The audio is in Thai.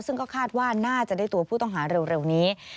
ซึ่งก็คาดว่าน่าจะได้ตัวผู้ต้องหาเร็วนี้